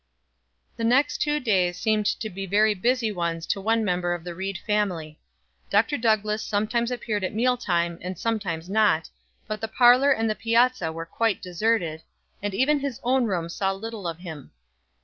The next two days seemed to be very busy ones to one member of the Ried family. Dr. Douglass sometimes appeared at meal time and sometimes not, but the parlor and the piazza were quite deserted, and even his own room saw little of him.